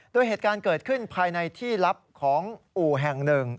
โดยเหตุการณ์เกิดขึ้นภายในที่ลับของอู่แห่งหนึ่ง